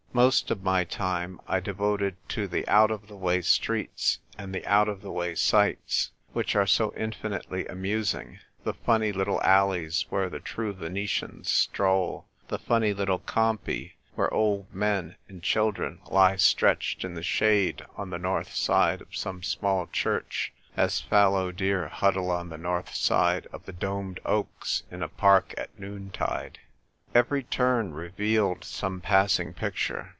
Most of my time I devoted to the out of the way streets and the out of the way sights, which are so infinitely amusing; the funny little alleys where the true Venetians stroll ; the funny little cainpi, where old men and children lie stretched in the shade on the north side of some small church, as fallow deer huddle on the north side of the domed oaks in a park at noontide. Every turn revealed some pass ing picture.